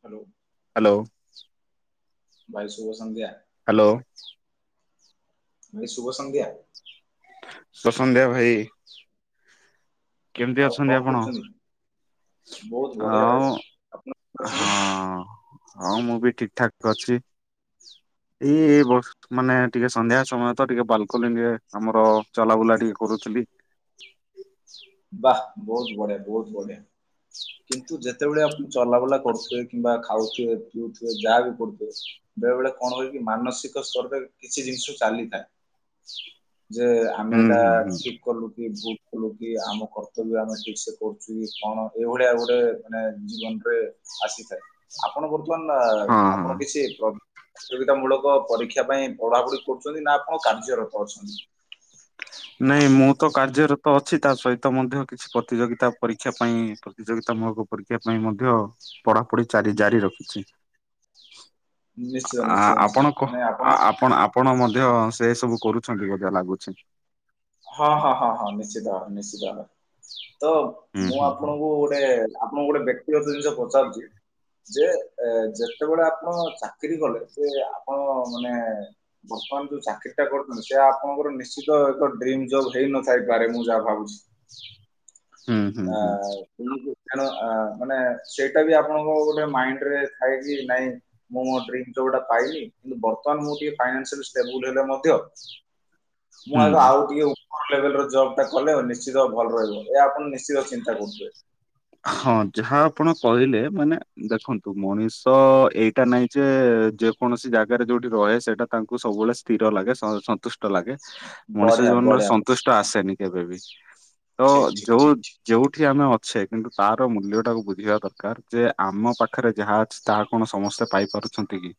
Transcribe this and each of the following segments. Hello. Hello. ଭାଇ ଶୁଭ ସନ୍ଧ୍ୟା। ହ୍ୟାଲୋ। ଭାଇ ଶୁଭ ସନ୍ଧ୍ୟା। ଶୁଭସନ୍ଧ୍ୟା ଭାଇ। କେମିତି ଆଉ ଅଛନ୍ତି କଣ ଆପଣ? କରୁଛନ୍ତି? ବହୁତ ବଢିଆ ଭାଇ ହଉ ଅଛନ୍ତି? ହଁ। ହଁ ମୁଁ ବି ଠିକ୍ ଠାକ୍ ଅଛି। ଏଇ ବ ମାନେ ଟିକେ ସନ୍ଧ୍ୟା ସମୟ ତ ଟିକେ ବାଲକୋନି ରେ ଆମର ଚଲାବୁଲା ଟିକେ କରୁଥିଲି। ବା ବହୁତ୍ ବଢିଆ ବହୁତ ବଢିଆ, କିନ୍ତୁ ଯେତେବେଳେ ଆପ ଚଲାବୁଲା କରୁଥିବେ କିମ୍ବା ଖାଉଥିବେ ପିଉ ଯାହା ବି କରୁଥିବ ବେଳେ ବେଳେ କଣ ହୁଏ କି ମାନସିକ ସ୍ତରରେ କିଛି ଜିନିଷ ଚାଲିଥାଏ। [unintelligible] ଯେ ଆମେ ହୁଁ ଏଇଟା ହୁଁ ହୁଁ ଠିକ୍ କଲୁ କି ଭୁଲ୍ କଲୁ କି ଆମକୁ କର୍ତ୍ତବ୍ୟ ଆମେ ଠିକ୍ ସେ କରୁଛୁ କଣ ଏଇଭଳିଆ ଗୋଟେ ମାନେ ଜୀବନରେ ଆସିଥାଏ। ଆପଣ ବର୍ତ୍ତମାନ ହଁ ହଁ। ଆପଣ କିଛି ପ୍ରତିଯୋଗିତା ମୂଳକ ପରୀକ୍ଷା ପାଇଁ ପଢ଼ାପଢ଼ି କରୁଛନ୍ତି ନା ଆପଣ କାର୍ଯ୍ୟରତ ଅଛନ୍ତି? ନାଇଁ ମୁଁ ତ କାର୍ଯ୍ୟରତ ଅଛି ତା ସହିତ ମଧ୍ୟ କିଛି ପ୍ରତିଯୋଗିତା ପରୀକ୍ଷା ପାଇଁ ପ୍ରତିଯୋଗିତାମୂଳକୁ ପରୀକ୍ଷା ପାଇଁ ମଧ୍ୟ ପଢ଼ାପଢ଼ି ଚାରି ଜାରି ରଖିଛି। [inaudible] ନିଶ୍ଚିତ ଆ ନିଶ୍ଚିତ ନିଶ୍ଚିତ ଆପଣ କ ମାନେ ଆପଣ ଆପଣ ମଧ୍ୟ ଏସବୁ କରୁଛନ୍ତି ବୋଧେ ଲାଗୁଛି। ହଁ ହଁ ହଁ ହଁ ନିଶ୍ଚିତ ଭାବରେ ନିଶ୍ଚିତ ଭାବରେ। ତ ହୁଁ ମୁଁ ହୁଁ ଆପଣଙ୍କୁ ଗୋଟେ ଆପଣଙ୍କୁ ଗୋଟେ ବ୍ୟକ୍ତିଗତ ଜିନିଷ ପଚାରୁଛି। ଯେ ଯେତେବେଳେ ଆପଣ ଚାକିରି କଲେ ଯେ ଆପଣ ମାନେ ବର୍ତ୍ତମାନ ଯୋଉ ଚାକିରିଟା କରୁଛନ୍ତି ସେ ଆପଣଙ୍କର ନିଶ୍ଚିତ ଏକ ଡ୍ରିମ୍ ଜବ୍ ହେଇ ନଥାଇପାରେ ମୁଁ ଯାହା ଭାବୁଛି ହୁଁ ହୁଁ ହୁଁ ଆଁ ତେଣୁ ମାନେ ସେଇଟା ବି ଆପଣଙ୍କ ଗୋଟେ ମାଇଣ୍ଡ୍ ରେ ଥାଏ କି ନାଇଁ ମୁଁ ମୋ ଡ୍ରିମ୍ ଜବ୍ ଟା ପାଇନି କିନ୍ତୁ ବର୍ତ୍ତମାନ ମୁ ଟିକେ ଫାଇନନ୍ସିଆଲ ଷ୍ଟେବୁଲ୍ ହେଲେ ମଧ୍ୟ ମୁଁ ଆଗ ହୁଁ। ଆଉ ଟିକେ ଉପରୁ ଲେଭେଲ୍ ଜବ ଟା କଲେ ନିଶ୍ଚିତ ଭଲ ରହିବ ଏହା ଆପଣ ନିଶ୍ଚିତ ଚିନ୍ତା କରୁଥିବେ। ହଁ ଯାହା ଆପଣ କହିଲେ ମାନେ ଦେଖନ୍ତୁ ମଣିଷ ଏଇଟା ନାଇଁ ଯେ ଯେ କୌଣସି ଜାଗାରେ ଯୋଉଠି ରହେ ସେଇଟା ତାଙ୍କୁ ସବୁବେଳେ ସ୍ଥିର ଲାଗେ ସନ୍ତୁଷ୍ଟ ତ ଲାଗେ ମଣିଷ ବଢିଆ ଜୀବନରେ ବଢିଆ ସନ୍ତୁଷ୍ଟ ଆସେନି କେବେବି। ତ ଠିକ୍ ଠିକ୍ ଯୋଉ ଠିକ୍ ଠିକ୍ ଠିକ୍ ଯେଉଠି ଆମେ ଅଛେ କିନ୍ତୁ ତାର ମୂଲ୍ୟଟାକୁ ବୁଝିବା ଦରକାର ଯେ ଆମ ପାଖରେ ଯାହା ଅଛି ତାହା କଣ ସମସ୍ତେ ପାଇପାରୁଛନ୍ତି? [unintelligible]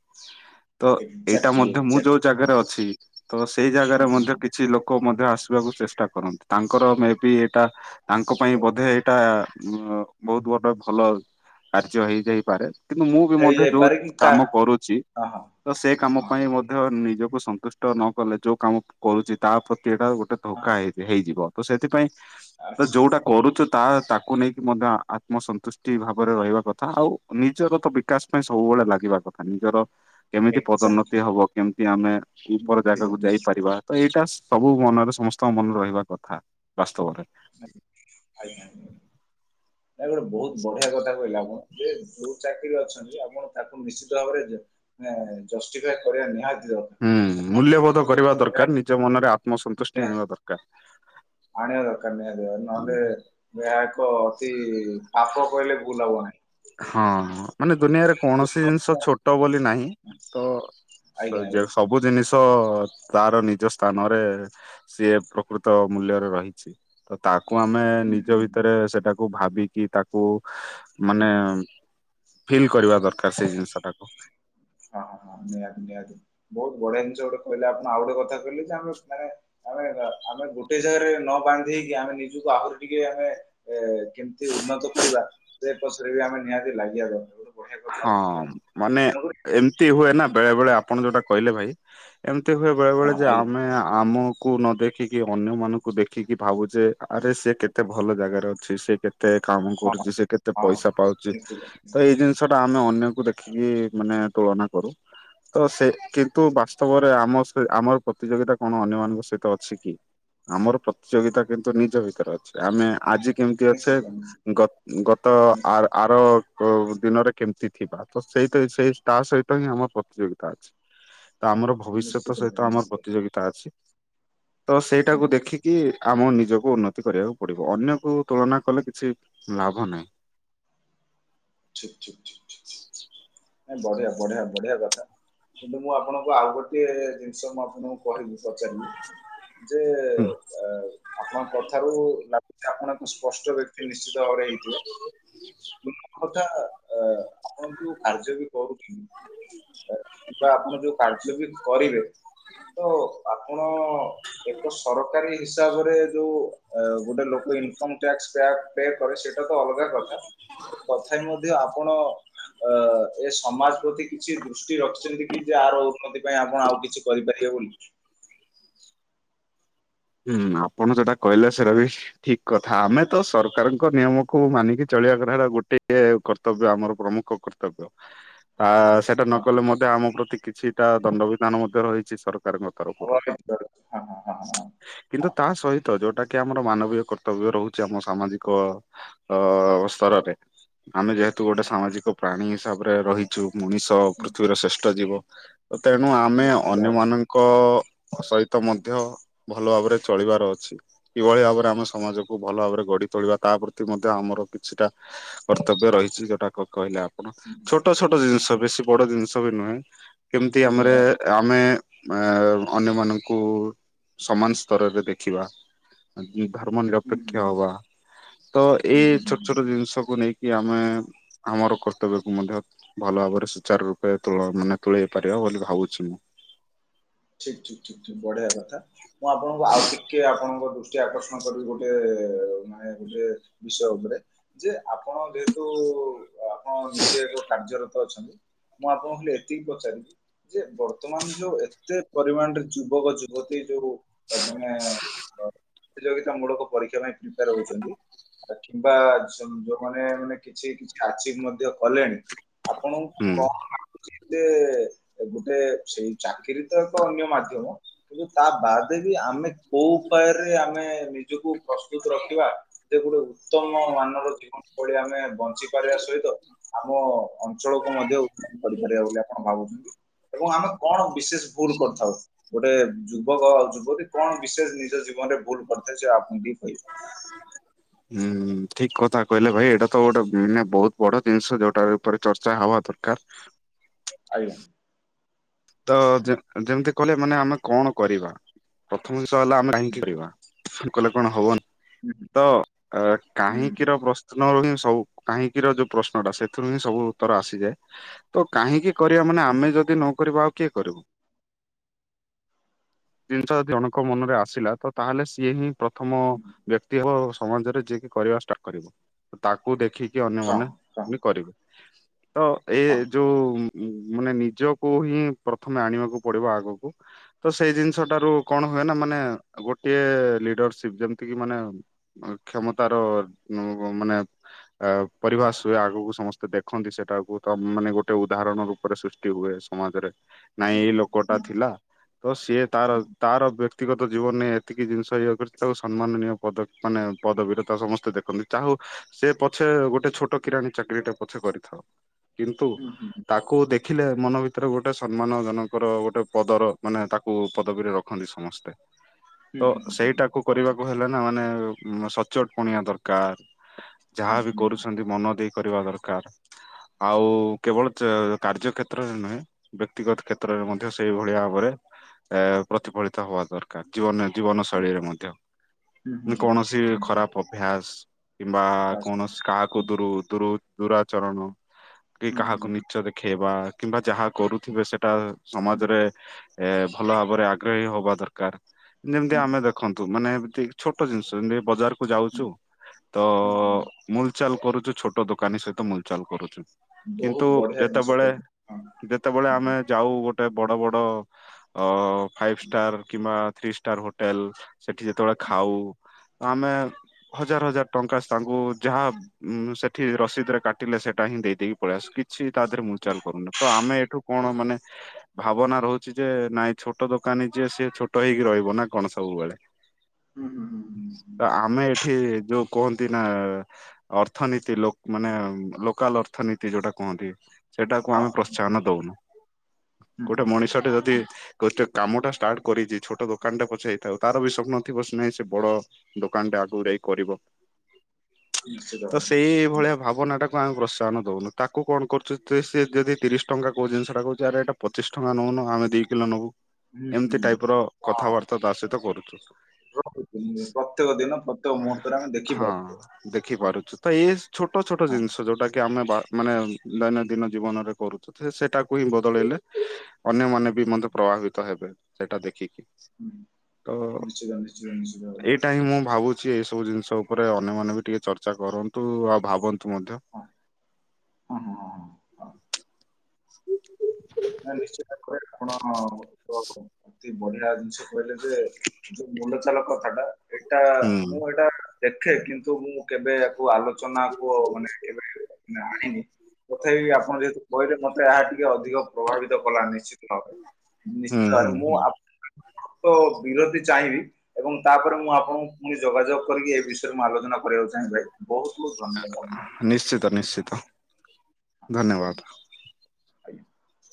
ତ ଏଇଟା ଏକ୍ସାକ୍ଟଲି ମଧ୍ୟ ମୁଁ ଯୋଉ ଜାଗାରେ ଅଛି ତ ସେଇ ଜାଗାରେ ମଧ୍ୟ ଏକ୍ସାକ୍ଟଲି କିଛି ଲୋକ ମ [unintelligible] ତ ଆସିବାକୁ ଚେଷ୍ଟା କରନ୍ତି ତାଙ୍କର ମେ ବି ଏଇଟା ତାଙ୍କ ପାଇଁ ବୋଧେ ଏଇଟା ଉମ୍ ବହୁତ ବଡ ଭଲ କାର୍ଯ୍ୟ ହେଇଯାଇପାରେ। କିନ୍ତୁ ମୁଁ ବି ମଧ୍ୟ ଯୋଉ ହେଇଯାଇପାରେ କି କା କାମ କରୁଛି ହଁ ତ ସେ କାମ ହଁ ହଁ ପାଇଁ ମଧ୍ୟ ନି [unintelligible] ନିଜକୁ ସନ୍ତୁଷ୍ଟ ନ କଲେ ଯୋଉ କାମ କରୁଛି ତା ପ୍ରତି ଏଇଟା ଗୋଟେ ଧୋକା ହଁ ହେଇ ହେଇଯିବ ତ ସେଥିପାଇଁ ତ ଆଚ୍ଛା ଯୋଉଟା କରୁଛୁ ତା ତାକୁ କୁ ନେଇକି ମଧ୍ୟ ଆତ୍ମସନ୍ତୁଷ୍ଟି ଭାବରେ ରହିବା କଥା ଆଉ ନିଜଗତ ବିକାଶ ପାଇଁ ସବୁବେଳେ ଲାଗିବା କଥା। ନିଜର କେମିତି ପଦୋନ୍ନତି ଏକ୍ଜାକ୍ଟଲି ହବ କେମିତି ଆମେ ଉପର ନିଶ୍ଚିତ ଜାଗାକୁ ନିଶ୍ଚିତ। ଯାଇପାରିବା ତ ଏଇଟା ସବୁ ମନରେ ସମସ୍ତଙ୍କ ମନରେ ରହିବା କଥା ବାସ୍ତବରେ। ଆଜ୍ଞା। ନା ଗୋଟେ ବହୁତ ବଢିଆ କଥା କହିଲା ଆପଣ ଯେ ଯୋଉ ଚା [unintelligible] ଅଛନ୍ତି ଆପଣ ତାକୁ ନିଶ୍ଚିତ ଭାବରେ ମାନେ ଜଷ୍ଟିଫାଏ କରିବା ନିହାତି ଦରକାର ହୁଁମ୍ ମୂଲ୍ୟବୋଧ କରିବା ଦରକାର ନିଜ ମନରେ ଆତ୍ମସନ୍ତୁଷ୍ଟି ଆଣିବା ଦରକାର। ଆଣିବାର [unintelligible] ନହେଲେ ଏହା ଏକ ଅତି ପାପ କହିଲେ ଭୁଲ ହବ ନାହିଁ। ହଁ ମାନେ ଦୁନିଆରେ କୌଣସି ଜିନିଷ ଛୋଟ ବୋଲି ନାହିଁ ତ ସ ଆଜ୍ଞା ଯୋ ଆଜ୍ଞା ସବୁ ଜିନିଷ ତ ତାର ନିଜ ସ୍ଥାନରେ ସିଏ ପ୍ରକୃତ ମୂଲ୍ୟରେ ରହିଛି ତ ତାକୁ ତ ତାକୁ ଆମେ ହୁଁ ନିଜ ହୁଁ ଭିତରେ ସେଟାକୁ ଭାବିକି ତାକୁ ମାନେ ହୁଁ। ଫିଲ୍ କରିବା ଦରକାର ସେଇ ଜିନିଷ ଟାକୁ ହୁମ୍। ହ ହ ହଁ ନିହାତି ନିହାତି ବହୁତ ବଢ଼ିଆ ଜିନିଷ ଗୋଟେ କହିଲେ ଆପଣ ଆଉ ଗୋଟେ କଥା କହିଲେ ଯେ ଆମେ ମାନେ ଆମେ ଆମେ ଗୋଟେ ଜାଗାରେ ନ ବାନ୍ଧେଇକି ଆମେ ନିଜକୁ ଆହୁରି ଟିକେ ଆମେ ଏ କେମିତି ଉନ୍ନତ କରିବା ସେ ପଛରେ ବି ଆମେ ନିହାତି ଲାଗିବା ଦ [unintelligible] ହଁ ମାନେ ଏମିତି ହୁଏ ନା ବେଳେ ବେଳେ ଆପଣ ଯୋଉଟା କହିଲେ ଭାଇ ଏମ୍ [unintelligible] ହୁଏ ହଁ ବେଳେବେଳେ ଯେ ଆଜ୍ଞା ଆମେ ଆମକୁ କୁ ନ ଦେଖିକି ଅନ୍ୟ ମାନଙ୍କୁ ଦେଖିକି ଭାବୁଛେ ଆରେ ସେ କେତେ ଭଲ ଜାଗାରେ ଅଛି ସେ କେତେ କେତେ କାମ ହଁ। କରୁଛି ସେ କେତେ ହଁ ପଇସା ଭାଇ ପାଉଛି ନିଶ୍ଚିତ ତ ଏଇ ଜିନି ଆମେ ଅନ୍ୟକୁ ଦେଖିକି ମାନେ ତୁଳନା କରୁ ତ ସେ କିନ୍ତୁ ବାସ୍ତବରେ ଆମ ଆମର ପ୍ରତିଯୋଗିତା କଣ ଅନ୍ୟମାନଙ୍କ ସହିତ ଅଛି କି? ଆମର ପ୍ରତିଯୋଗିତା କିନ୍ତୁ ନିଜ ଭିତରେ ଅଛି ଆମେ ଆଜି। କେମିତି ଅଛେ ନିଶ୍ଚିତ ନିଶ୍ଚିତ ଗ ଗତ ଆ ନିଶ୍ଚିତ ଆର ଅ ଦିନରେ। କେମିତି ଥିବା ତ ସେଇ ସେଇ ତା ସହିତ ହିଁ ଆମର ପ୍ରତିଯୋଗିତା ଅଛି। ତ ଆମର ନିଶ୍ଚିତ ନିଶ୍ଚିତ ଭବିଷ୍ୟତ ଭାଇ ସହିତ ଆମର ନିଶ୍ଚିତ ପ୍ରତିଯୋଗିତା ଅଛି। ତ ସେଇଟାକୁ ହୁଁ ଦେଖିକି। ଆମ ନିଜକୁ ଉନ୍ନତି କରିବାକୁ ପଡିବ ଅନ୍ୟକୁ ତୁଳନା କଲେ କିଛି ଲାଭ ନାହିଁ। ଠିକ୍ ଠିକ୍ ଠିକ୍ ଠିକ୍ ଠିକ୍ ଠିକ୍। ବଢିଆ ବଢିଆ ବଢିଆ କଥା କିନ୍ତୁ ମୁଁ ଆପଣଙ୍କୁ ଆଉ ଗୋଟେ ଜିନିଷ ମୁଁ ଆପଣଙ୍କୁ କହିବି। ପଚାରିବି ଯେ ଏ ଆପଣଙ୍କ କଥାରୁ ଲା ଯେ ଆପଣ ଏକ ସ୍ପଷ୍ଟ ବ୍ୟକ୍ତି ନିଶ୍ଚିତ ଭାବରେ ହେଇଥିବେ। [unintelligible] କଥା ଆ, ଆପଣ ଯୋଉ କାର୍ଯ୍ୟ ବି କରୁଛନ୍ତି ଏ କିବା ଆପଣ ଯୋଉ କାର୍ଯ୍ୟ ବି କରିବେ। ତ ଆପଣ ଏକ ସରକାରୀ ହିସାବରେ ଯୋଉ ଏ ଗୋଟେ ଲୋ କୁ ଇନକମ୍ ଟ୍ୟାକ୍ସ ଟା ପେ କରେ ସେଇଟା ତ ଅଲଗା କଥା। ତଥାପି ମଧ୍ୟ ଆପଣ ଅ, ଏ ସମାଜ ପ୍ରତି କିଛି ଦୃଷ୍ଟି ରଖିଛନ୍ତି କି ଯେ ଆର ଉନ୍ନତି ପାଇଁ ଆପଣ ଆଉ କିଛି କରିପାରିବେ। ବୋଲ ଛୁ ହୁଁ, ଆପଣ ସେଟା କହିଲେ ସେଟା ବି ଠିକ କଥା। ଆମେ ତ ସରକାରଙ୍କ ନିୟମକୁ ମାନିକି ଚ ଚଳିବା କଥା ସେଟା ଗୋଟେ ଏ କର୍ତ୍ତବ୍ୟ ଆମର ପ୍ରମୁଖ କର୍ତ୍ତବ୍ୟ। ଆ, ସେଟା ନ ହଁ, କଲେ ମଧ୍ୟ ଆମ ପ୍ରତି କିଛିଟା ଦଣ୍ଡବିଧାନ ମଧ୍ୟ ରହିଚି। ସର କାରଙ୍କ ତରଫରୁ। ଅବହେଳିତ ରହିଛି। ହଁ ହଁ ହଁ ହଁ ହଁ, କିନ୍ତୁ ହଁ, ତା ସହିତ ଯୋଉଟା କି ଆମର ମାନବୀୟ କର୍ତ୍ତବ୍ୟ ରହୁଚି। ଆମ ସାମାଜିକ ଅ, ଅସ ସ୍ତରରେ। ଆମେ ଯେହେତୁ ଗୋଟେ ସାମାଜିକ ପ୍ରାଣୀ ହିସାବରେ ରହିଚୁ। ମଣିଷ ପୃଥିବୀର ଶ୍ରେଷ୍ଠ ଜୀବ। ତ ତେ ଣୁ ଆମେ ନିଶ୍ଚିତ ଭାବରେ। ଅନ୍ୟମାନଙ୍କ ସହିତ ମଧ୍ୟ ଭଲ ଭାବରେ ଚଳିବାର ଅଛି। କିଭଳି ଭାବରେ ଆମେ ସମାଜକୁ ଭଲ ଭାବରେ ଗଢି ତୋଳିବା ତା ପ୍ରତି ମଧ୍ୟ ଆମ ର କିଛିଟା କର୍ତ୍ତବ୍ୟ ରହିଛି। ଯୋଉଟାକ କହିଲେ ଆପଣ ହୁଁ, ହୁଁ। ଛୋଟ ଛୋଟ ଜିନିଷ ବେଶୀ ବଡ ଜିନିଷ ବି ନୁହେଁ। କେମିତି ଆମରେ ନୁହେଁ ଅ, ଆମେ ଏ, ଅନ୍ୟମାନଙ୍କୁ ସମାନ ସ୍ତରରେ ଦେଖିବା ଅ, ଧର୍ମ ହୁଁ ନିରପେକ୍ଷ ହବା। ହୁଁ ତ ହୁଁ ଏଇ ଛୋଟ ହୁଁ ଛୋଟ ଜିନିଷ କୁ ନେଇକି ଆମେ ଆମର କର୍ତ୍ତବ୍ୟକୁ ମଧ୍ୟ ଭଲ ଭାବରେ ସୁଚାର ରୂପେ ତୁଳ ମାନେ ତୁଳେଇ ପାରିବା ବୋଲି ଭାବୁଛି ମୁଁ। ଠିକ, ଠିକ, ଠିକ, ଠିକ ବଢିଆ କଥା। ମୁଁ ଆପଣଙ୍କୁ ଆଉ ଟିକେ ଆପଣଙ୍କ ଦୃଷ୍ଟି ଆକର୍ଷଣ କରିବି ଗୋଟେ ଏ ମାନେ ଗୋଟେ ବିଷୟ ଉପରେ। ଯେ ଆପଣ ଯେହେତୁ ଓ ଆପଣ ନିଜେ ଏକ କାର୍ଯ୍ୟର ତ ଅଛନ୍ତି। ମୁଁ ଆପଣଙ୍କୁ ଖାଲି ଏତିକି ପଚାରିବି ଯେ ବର୍ତ୍ତମାନ ଯୋଉ ଏତେ ପରିମାଣରେ ଯୁବକ ଯୁବତୀ ଯୋଉ ଅ, ମାନେ ପ୍ରତିଯୋଗିତା ମୂଳକ ପରୀକ୍ଷା ପାଇଁ ପ୍ରିପେୟାର୍ ହଉଛନ୍ତି କିମ୍ବା ଯୋ ଯୋଉମାନେ ମାନେ ମାନେ କିଛି କିଛି ଆଚିଭ ମଧ୍ୟ କଲେଣି। ଆପଣଙ୍କୁ ହୁଁ କଣ ଲାଗୁଚି ଯେ ଗୋଟେ ସେଇ ଚାକିରି ସେ ଏକ ଅନ୍ୟ ମାଧ୍ୟମ। କିନ୍ତୁ ତା ବାଦେ ବି ଆମେ କୋଉ ଉପାୟରେ ଆମେ ନିଜକୁ ପ୍ରସ୍ତୁତ ରଖିବା ଯେ ଗୋଟେ ଉତ୍ତମ ମାନର ଜୀବନ ଶୈଳୀ ଆମେ ବଞ୍ଚି ପାରିବା ସହିତ ଆମ ଅଞ୍ଚଳକୁ ମଧ୍ୟ ଉନ୍ନତି କରିପାରିବା ବୋଲି ଆପଣ ଭାବୁଚନ୍ତି। ଏବଂ ଆମେ କଣ ବିଶେଷ ଭୁଲ କରିଥାଉ। ଗୋଟେ ଯୁବକ ଆଉ ଯୁବତୀ କଣ ବିଶେଷ ନିଜ ଜୀବନରେ ଭୁଲ କରିଥାଏ। ସେ ଆପଣ ବି ହୋଇ ହୁଁ, ଠିକ କଥା କହିଲେ ଭାଇ। ଏଇଟା ତ ଗୋଟେ ଉଁ, ମାନେ ବହୁତ ବଡ ଜିନିଷ। ଯୋଉଟା ଉପରେ ଚର୍ଚ୍ଚା ହବା ଦରକାର। ଆଜ୍ଞା। ତ ଯେ-ଯେମିତି କହିଲେ ମାନେ ଆମେ କଣ କରିବା? ପ୍ରଥମେ ତ ହେଲା ଆମେ କାହିଁକି ଆଜ୍ଞା କରିବା? କଲେ କଣ ହବନି? ତ ଅ, କାହିଁକିର ପ୍ରଶ୍ନ ର ହିଁ ହଉ, କାହିଁକି ର ଯୋଉ ପ୍ରଶ୍ନଟା ସେଥିରୁ ହିଁ ସବୁ ଉତ୍ତର ଆସିଯାଏ। ତ କାହିଁକି କରିବା ମାନେ ଆମେ ଯଦି ନ କରିବା ଆଉ କିଏ କରିବ? ଜିନିଷ ଯଦି ଜଣଙ୍କ ମନରେ ଆସିଲା ତ ତାହେଲେ ସିଏ ହିଁ ପ୍ରଥମ ବ୍ୟକ୍ତି ହେବ। ସମାଜରେ ଯିଏକି କରିବା ଷ୍ଟାର୍ଟ କରିବ। ତାକୁ ଦେଖିକି ଅନ୍ୟମାନେ ବି କରିବେ। ତ ଏ ଯୋଉ ଉଁ, ମାନେ ନିଜକୁ ହିଁ ପ୍ରଥମେ ଆଣିବାକୁ ପଡିବ ଆଗକୁ। ତ ସେଇ ଜିନି ଷ ଟାରୁ କଣ ହୁଏ ନା ମାନେ ଗୋଟିଏ ଲିଡରସିପ୍ ଯେମିତି କି ମାନେ ଅ, କ୍ଷମତାର ର [unintelligible] ମାନେ ଅ, ପରିବାଶ ହୁଏ ଆଗକୁ ସମସ୍ତେ ଦେଖନ୍ତି ସେଟାକୁ। ତ ଉଁ, ମାନେ ଗୋଟେ ଉଦାହରଣ ରୂପରେ ସୃଷ୍ଟି ହୁଏ ସମାଜରେ। ନାଇଁ ଏଇ ଲୋକଟା ଥିଲା ତ ସିଏ ତାର ତାର ବ୍ୟକ୍ତିଗତ ଜୀବନରେ ଏତିକି ଜିନିଷ ଇ କରି ତାକୁ ସମ୍ମାନନୀୟ ପଦ ମାନେ ପଦବୀରତା ସମସ୍ତେ ଦେଖନ୍ତି। ଆଉ ସେ ପଛେ ଗୋଟେ ଛୋଟ କିରାଣ ଚାକିରି ଟା ପଛେ କରିଥାଉ। କିନ୍ତୁ ତାକୁ ଦେଖ ଦେଖିଲେ ମନ ଭିତରେ ଗୋଟେ ସମ୍ମାନ ଜନକର ଗୋଟେ ପଦର ମାନେ ତାକୁ ପଦବୀରେ ରଖନ୍ତି ସମସ୍ତେ ତ ସେଇଟାକୁ କରିବା ହେଲେ ନା ମାନେ ସଚଟ ପଣିଆ ଦରକାର ଯାହାବି କରୁଛନ୍ତି ମନ ଦେଇଖ କରିବା ଦରକାର ଆଉ କେବଳ କାର୍ଯ୍ୟ କ୍ଷେତ୍ରରେ ନୁହେଁ ବ୍ୟକ୍ତିଗତ କ୍ଷେତ୍ରରେ ମଧ୍ୟ ସେଇଭଳିଆ ଭାବରେ ଏ ପ୍ରତିଫଳିତ ହବା ଦରକାର ଜୀବନ ଜୀବନ ଶୈଳୀରେ ମଧ୍ୟ କୌଣସି ଖରାପ ଅଭ୍ୟାସ କିମ୍ବା କୌଣସି କାକୁ ହୁଁ, ଦୂରୁ ଦ ଦୂରାଚରଣ କି ହୁଁ, କାହାକୁ ନିଚ ଦେଖେଇବା କିମ୍ବା ଯାହା କରୁଥିବେ ସେଟା ହୁଁ, ହୁଁ, ହୁଁ, ସମାଜରେ ହୁଁ, ଏ ଭଲ ଭାବରେ ଆଗ୍ରହୀ ହବା ଦରକାର ଯେମିତି ଆମେ ଦେଖନ୍ତୁ ମାନେ ଏ ଛୋଟ ଜିନିଷ ଯେମତି ବଜାରକୁ ଯାଉଛୁ ତ ହୁଁ, ହୁଁ, ଲଚଲ କରୁ ଛୋଟ ଦୋକାନୀ ସହିତ ମୁଲଚଲ କରୁଛୁ। କିନ୍ତୁ ବହୁତ ବଢିଆ ଜିନିଷ ଯେତେବେଳେ କହୁଛନ୍ତି ଯେତେବେଳେ ହଁ ଆମେ ହୁଁ, ଯାଉ ଗୋଟେ ଗୋଟେ ବଡ ବଡ ଅ ଫାଇଭ ଷ୍ଟାର କିମ୍ବା ଥ୍ରୀ ଷ୍ଟାର ହୋଟେଲ ସେଠି ଯେତେବେଳେ ଖାଉ ତ ଆମେ ହଜାର ହଜାର ଟଙ୍କା ତାଙ୍କୁ ଯାହା ଉ ସେଠି ରସିଦ ରେ କାଟିଲେ ସେଟା ହିଁ ଦେଇଦେଇକି ପଳେଇ ଆସ କିଛି ତା ଦେହରେ ମୁଚାଲ କରୁନି ତ ଆମେ ଏଠୁ ହୁଁ, କଣ ମାନେ ଭାବନା ରହୁଚେ ନାଇଁ ଛୋଟ ଦୋକାନୀ ଯି ସିଏ ଛୋଟ ହେଇକି ରହିବ ନା କଣ ସବୁବେଳେ ହୁଁ ହୁଁ ହୁଁ ହୁଁ ତ ଆମେ ହୁଁ। ଏଠି ଯୋଉ କୁହନ୍ତି ନା ଅର୍ଥନୀତି ମାନେ ଲୋକାଲ ଅର୍ଥନୀତି ଯୋଉଟା କୁହନ୍ତି ସେଟାକୁ ହଁ ଆମେ ପ୍ରୋତ୍ସାହନ ଦୋଉନୁ। ହୁଁ, ହୁଁ, ଗୋଟେ ହୁଁ, ମଣିଷ ଟେ ଯଦି କାମ ଟା ଷ୍ଟାର୍ଟ କରିଚି ଛୋଟ ଦୋକାନ ଟା ପଛେଇଥାଉ ତାର ବି ସ୍ୱପ୍ନଥିବ ସେହିଁ ସେ ବଡ ଦୋକାନଟା ପୁରଇ କରିବ। ନିଶ୍ଚିତ ତ ଭାବରେ ସେଇ ହୁଁ, ଭଳିଆ ଭାବନା ଟା କାକୁ ପ୍ରୋତ୍ସାହନ ଦୋଉନ ତା କଣ କରୁ ସେ ଯଦି ତିରିଶ ଟାୋଉ ଜିନିଷଟା କହୁଛି ଆରେ ଏଇଟ ପଚିଶ ଟଙ୍କା ନେଉ ଆମେ ଦି କିଲୋ ନେବୁ ହୁଁ, ଏମିତି ଟାଇପ ର କଥାବାର୍ତ୍ତା ତା ସହିତ କରୁଚି। ହଁ। ପ୍ରତ୍ୟେକ ଦିନ ପ୍ରତ୍ୟେକ ମୁହୂର୍ତ୍ତରେ ଆମେ ଦେଖିପାରୁଛେ ହଁ ହଁ ଦେଖିପାରୁଚୁ ତ ଏ ଛୋଟ ଛୋଟ ହଁ ଜିନିଷ ସେ ଯୋଉକି ଆମେ ମାନେ ଦୈନନ୍ଦିନ ଜୀବନରେ କରୁଚି ସେଟାକୁ ହିଁ ବଦଳେଇଲେ ଅନ୍ୟମାନେ ବି ମତେ ପ୍ରଭାବିତ ହେବେ ସେଇଟା ଦେଖିକି। ହୁଁ, ତ ନିଶ୍ଚିତ ନିଶ୍ଚିତ ନିଶ୍ଚିତ ଭାବରେ ଏଇଟା ହିଁ ମୁଁ ଭାବୁଚି ଛି ଏଇ ସବୁ ଜିନିଷ ଉପରେ ଅନ୍ୟମାନେନ ବି ଟିକେ ଚର୍ଚ୍ଚା କରନ୍ତୁ, ଆଉ ଭାବ ମଧ୍ୟ ହଁ ହଁ ହଁ ହଁ ହଁ ନା ନିଶ୍ଚିତ କରେ ଆପଣ ଅତି ବଢିଆ ଜିନିଷ କହିଲେ ଯେ ମୁଣ୍ଡ ଚାଲ କଥାଟା ଏଇଟା ହୁଁ ମୁଁ ଏଇଟା ଦେଖେ କିନ୍ତୁ ମୁଁ କେବେ ଆଲୋଚନା କ ମାନେ କେବେ ଆଣିନି ତଥାପି ଆପଣ ଯେହେତୁ କହିଲେ ଏହା ଟିକେ ଅଧିକ ପ୍ରଭାବିତ କଲା ନିଶ୍ଚିତ ଭାବରେ ହୁଁ ନିଶ୍ଚିତ ଭାବରେ ହୁଁ ମୁଁ ହୁଁ ତ ବିରତି ଚାହିଁବି ଏବଂ ତାପରେ ମୁଁ ଆପଣଙ୍କୁ ପୁଣି ଯୋଗାଯୋଗ କରିକି ଏ ବିଷୟରେ ମୁଁ ଆଲୋଚନା କରିବାକୁ ଚାହିଁ ଭ ବୋହୁତ ନିଶ୍ଚିତ ନିଶ୍ଚିତ ଧନ୍ୟବାଦ। [inaudible]